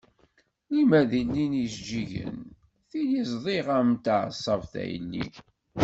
Limer di llin yijeǧǧigen tili ẓdiɣ-am-d taɛeṣṣabt a yelli.